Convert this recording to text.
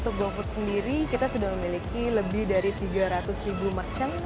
untuk gofood sendiri kita sudah memiliki lebih dari tiga ratus ribu merchant